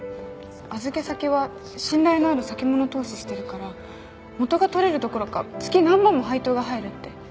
預け先は信頼のある先物投資してるから元が取れるどころか月何万も配当が入るって。